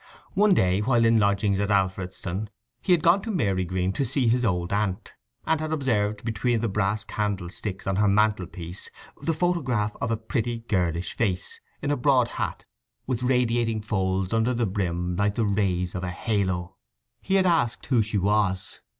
One day while in lodgings at Alfredston he had gone to Marygreen to see his old aunt, and had observed between the brass candlesticks on her mantlepiece the photograph of a pretty girlish face, in a broad hat with radiating folds under the brim like the rays of a halo. He had asked who she was.